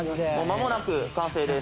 まもなく完成です。